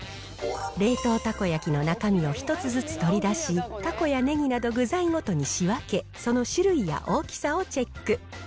冷凍たこ焼きの中身を一つずつ取り出し、たこやねぎなど、具材ごとに仕分け、その種類や大きさをチェック。